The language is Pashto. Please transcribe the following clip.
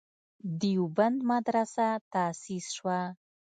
دیوبند مدرسه تاسیس شوه.